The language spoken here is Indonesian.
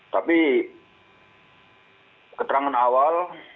tapi keterangan awal